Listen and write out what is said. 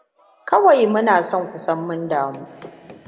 Kawai Muna son ku san mun damu.